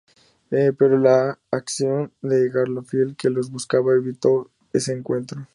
Pero la acción de Glorfindel, que los buscaba, evitó ese encuentro.